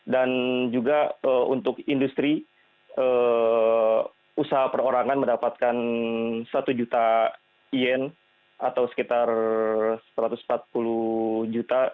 dan juga untuk industri usaha perorangan mendapatkan satu juta yen atau sekitar satu ratus empat puluh juta